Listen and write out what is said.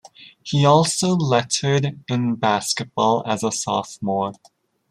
He also lettered in basketball as a sophomore.